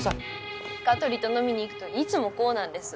香取と飲みに行くといつもこうなんです。